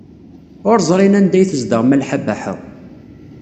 Ur ẓrin anda ay tezdeɣ Malḥa Baḥa.